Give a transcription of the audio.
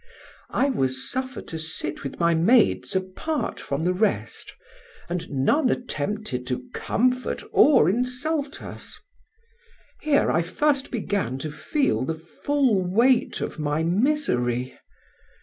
I was suffered to sit with my maids apart from the rest, and none attempted to comfort or insult us. Here I first began to feel the full weight of my misery.